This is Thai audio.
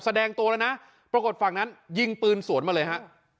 แสดงตัวแล้วนะปรากฏฝั่งนั้นยิงปืนสวนมาเลยฮะ